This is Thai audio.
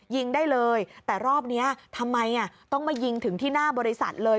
ยิงได้เลยแต่รอบนี้ทำไมต้องมายิงถึงที่หน้าบริษัทเลย